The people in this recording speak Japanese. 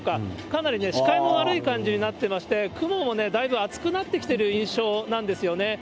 かなり視界も悪い感じになってまして、雲もだいぶ厚くなってきている印象なんですよね。